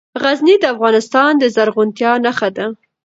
غزني د افغانستان د زرغونتیا نښه ده.